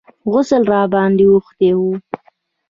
غسل راباندې اوښتى و.